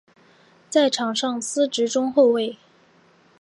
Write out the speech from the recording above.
在场上司职中后卫。